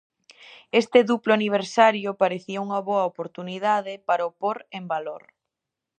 Este duplo aniversario parecía unha boa oportunidade para o pór en valor.